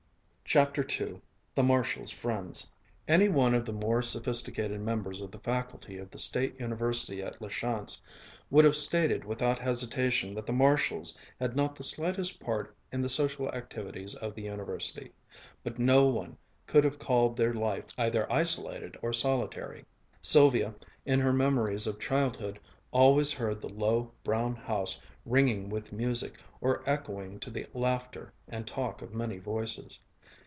CHAPTER II THE MARSHALLS' FRIENDS Any one of the more sophisticated members of the faculty of the State University at La Chance would have stated without hesitation that the Marshalls had not the slightest part in the social activities of the University; but no one could have called their life either isolated or solitary. Sylvia, in her memories of childhood, always heard the low, brown house ringing with music or echoing to the laughter and talk of many voices.